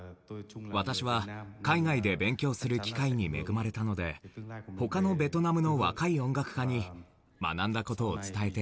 私は海外で勉強する機会に恵まれたので他のベトナムの若い音楽家に学んだ事を伝えて共有したいです。